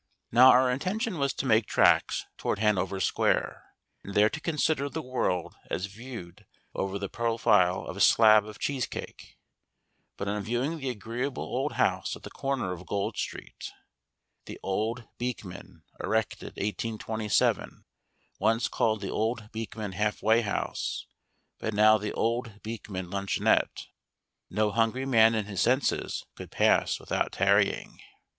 Now our intention was to make tracks toward Hanover Square and there to consider the world as viewed over the profile of a slab of cheesecake; but on viewing the agreeable old house at the corner of Gold Street "The Old Beekman, Erected 1827," once called the Old Beekman Halfway House, but now the Old Beekman Luncheonette no hungry man in his senses could pass without tarrying.